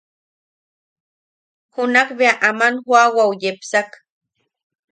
Junak bea aman joʼawau yepsak.